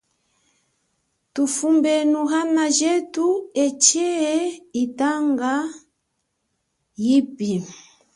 Thufumbenu ana jethu etshee yitanga yipi.